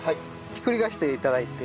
ひっくり返して頂いて。